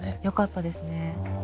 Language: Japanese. よかったですね。